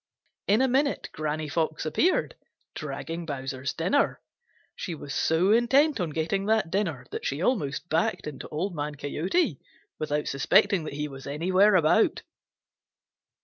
In a minute Granny Fox appeared, dragging Bowser's dinner. She was so intent on getting that dinner that she almost backed into Old Man Coyote without suspecting that he was anywhere about.